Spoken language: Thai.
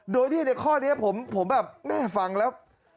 โดยที่ในข้อนี้ผมแบบแม่ฟังแล้ว